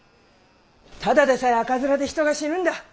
ただでさえ赤面で人が死ぬんだ。